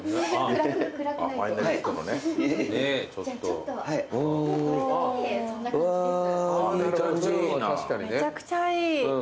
めちゃくちゃいい。